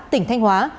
tỉnh thanh hóa